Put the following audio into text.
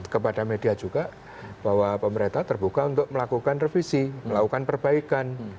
kepada media juga bahwa pemerintah terbuka untuk melakukan revisi melakukan perbaikan